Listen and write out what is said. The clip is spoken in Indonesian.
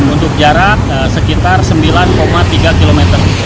untuk jarak sekitar sembilan tiga km